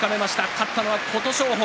勝ったのは琴勝峰。